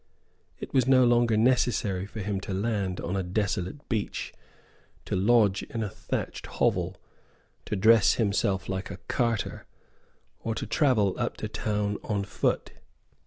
It was no longer necessary for him to land on a desolate beach, to lodge in a thatched hovel, to dress himself like a carter, or to travel up to town on foot.